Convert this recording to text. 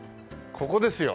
ここですよ。